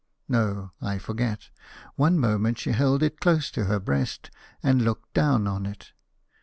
No, I forget; one moment she held it close to her breast and looked down on it.